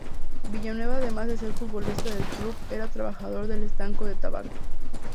Villanueva además de ser futbolista del club era trabajador del Estanco de Tabaco.